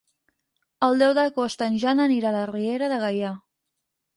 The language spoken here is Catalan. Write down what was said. El deu d'agost en Jan anirà a la Riera de Gaià.